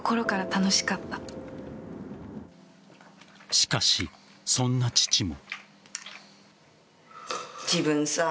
しかし、そんな父も。